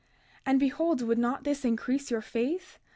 32:29 Now behold, would not this increase your faith?